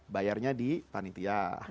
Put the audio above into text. bayarnya di panitia